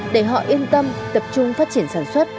để họ yên tâm tập trung phát triển sản xuất